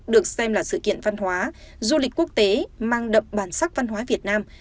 được xem là sự kiện văn hóa du lịch quốc tế mang đậm bản sắc văn hóa việt nam